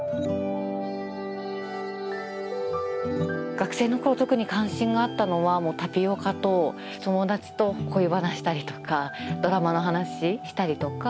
学生の頃特に関心があったのはタピオカと友達と恋バナしたりとかドラマの話したりとか。